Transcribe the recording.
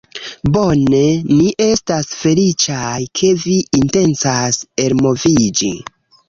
Bone. Ni estas feliĉaj, ke vi intencas elmoviĝi